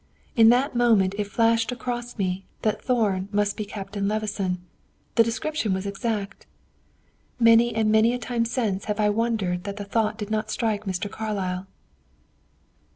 In that moment it flashed across me that Thorn must be Captain Levison; the description was exact. Many and many a time since have I wondered that the thought did not strike Mr. Carlyle."